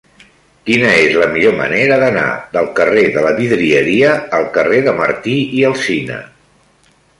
Quina és la millor manera d'anar del carrer de la Vidrieria al carrer de Martí i Alsina?